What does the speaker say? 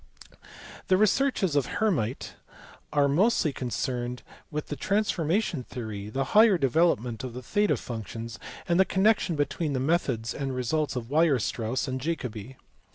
The researches of Uermite (see pp. 462, 470, 471, 478) are mostly concerned with the transformation theory, the higher development of the theta functions, and the connection between the methods and results of Weierstrass and Jacobi.